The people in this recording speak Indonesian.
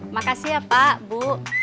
makasih ya pak bu